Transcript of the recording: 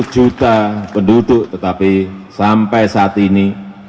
dua puluh juta penduduk tetapi sampai saat ini